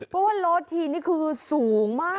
เพราะว่าโลทีนี่คือสูงมาก